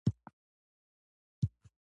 ایا مصنوعي ځیرکتیا د ټولنیز فشار وسیله نه ګرځي؟